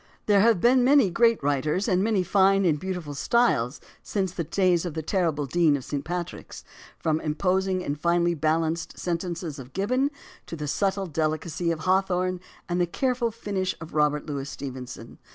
There have been many great writers and many fine and beautiful styles since the days of the terrible Dean of St. Patrick's, from the imposing and finely balanced sentences of Gibbon to the subtle deli cacy of Hawthorne and the careful finish of Robert Louis Stevenson.